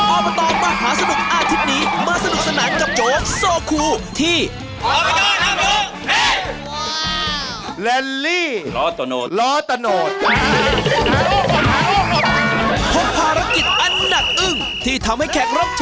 ออปเตอร์มหาสนุก